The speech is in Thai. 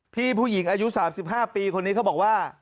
พี่ผู้หญิงอายุ๓๕ปีคนนี้เขาบอกว่า